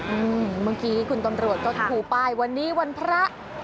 อืมมังคิวคุณตำรวชก็ถูกผ่ายวันนี้วันพระ